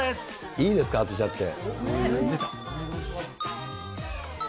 いいですか、当てちゃって。